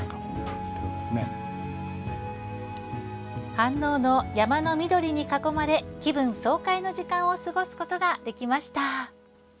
飯能の山の緑に囲まれ気分爽快の時間を過ごすことができました。